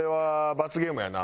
罰ゲームやな。